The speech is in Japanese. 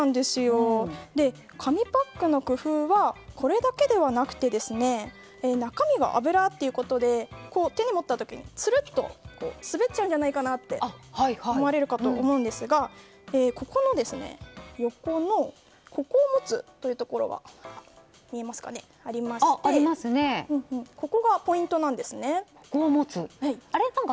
紙パックの工夫はこれだけではなくて中身が油ってことで手に持った時につるっと滑っちゃうんじゃないかなと思われるかと思いますが横にここを持つと書いてあるところがありましてここがポイントなんですね。